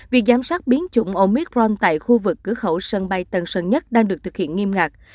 việc giám sát biến chủng omicron tại khu vực cửa khẩu sân bay tân sơn nhất đang được thực hiện nghiêm ngạc